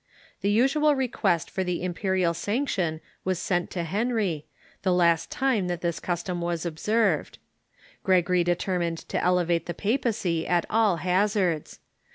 The usual request for the im perial sanction was sent to Henry, the last time that this cus tom Avas observed. Gregory determined to elevate the papacy at all hazards.